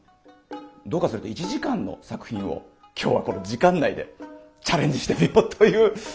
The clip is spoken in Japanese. どうかすると１時間の作品を今日はこの時間内でチャレンジしてみようという。